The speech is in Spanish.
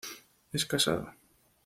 Es casado.